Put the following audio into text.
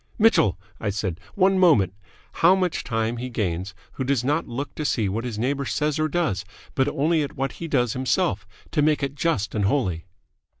"Mitchell," I said, "one moment. How much time he gains who does not look to see what his neighbour says or does, but only at what he does himself, to make it just and holy."